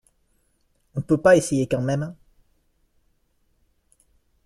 On peut pas essayer quand même?